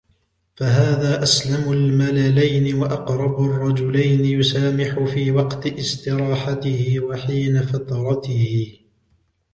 فَهَذَا أَسْلَمُ الْمَلَلَيْنِ وَأَقْرَبُ الرَّجُلَيْنِ يُسَامِحُ فِي وَقْتِ اسْتَرَاحَتْهُ وَحِينَ فَتْرَتِهِ